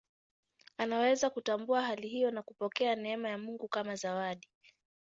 Anaweza kutambua hali hiyo na kupokea neema ya Mungu kama zawadi.